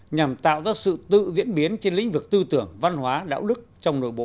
nhằm tạo ra sự tự diễn biến trên lĩnh vực tư tưởng văn hóa đạo đức trong nội bộ